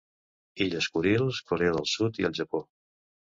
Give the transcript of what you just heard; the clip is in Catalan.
Illes Kurils, Corea del Sud i el Japó.